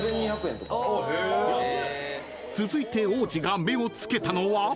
［続いて王子が目を付けたのは］